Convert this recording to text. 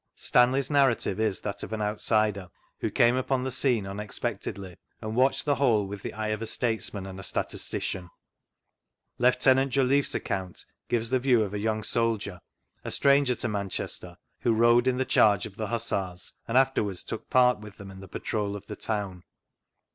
Stanley's narra tive is that of an out^der, who came upon the scene unexpectedly, and watched the whole with the eye of a statesman and a statistician. Lieutenant Ji^ifFe's account gives the view of a young soldier, a stranger to Manchester, who rode in the charge of the Hussars, and afterwards Wok part with them in the patrol of the town.